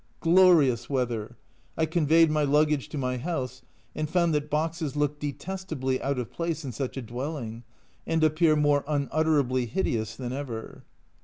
Glorious weather. I conveyed my A Journal from Japan 5 luggage to my house and found that boxes look de testably out of place in such a dwelling, and appear more unutterably hideous than ever.